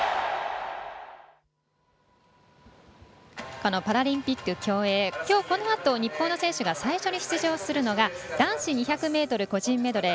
このパラリンピック競泳きょうこのあと日本の選手が最初に出場するのが男子２００ｍ個人メドレー